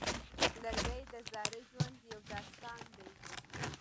لرګی د زاړه ژوند یو داستان دی.